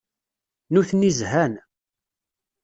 Nutni zhan.